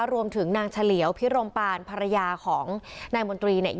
รวมถึงนางเฉลียวพิรมปานภรรยาของนายมนตรีเนี่ย